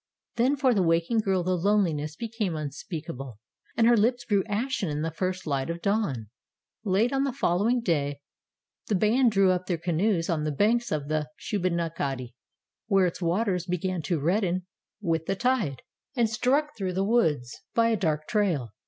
Then for the waking girl the loneliness became unspeakable, and her lips grew ashen in the first light of the dawn. Late on the following day the band drew up their canoes on the banks of the Shubenacadie, where its waters began to redden with the tide, and struck through the woods by a dark trail.